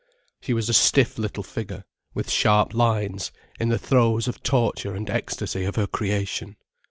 She was a stiff little figure, with sharp lines, in the throes and torture and ecstasy of her creation.